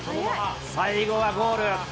最後はゴール。